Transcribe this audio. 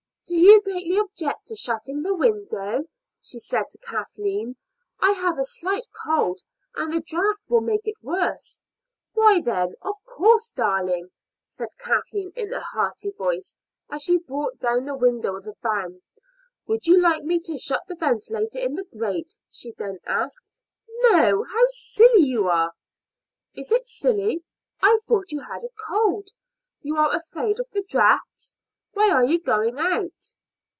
"Do you greatly object to shutting the window?" she said to Kathleen. "I have a slight cold, and the draught will make it worse." "Why, then, of course, darling," said Kathleen in a hearty voice, as she brought down the window with a bang. "Would you like me to shut the ventilator in the grate?" she then asked. "No. How silly you are!" "Is it silly? I thought you had a cold. You are afraid of the draughts. Why are you going out?"